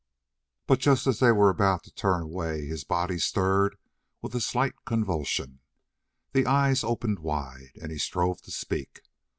But just as they were about to turn away his body stirred with a slight convulsion, the eyes opened wide, and he strove to speak.